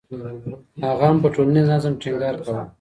هغه هم په ټولنیز نظم ټینګار کاوه.